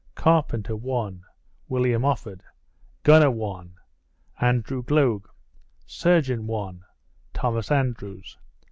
Carpenter (1) William Offord. Gunner (1) Andrew Gloag. Surgeon (1) Thos. Andrews.